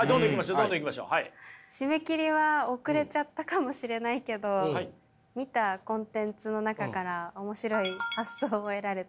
締め切りは遅れちゃったかもしれないけど見たコンテンツの中から面白い発想を得られた。